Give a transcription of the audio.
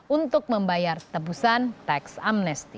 untuk membayar tebusan tax amnesti